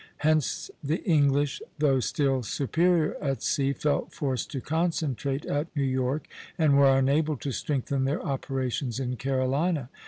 Hence the English, though still superior at sea, felt forced to concentrate at New York, and were unable to strengthen their operations in Carolina.